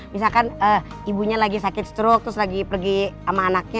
misalkan ibunya lagi sakit stroke terus lagi pergi sama anaknya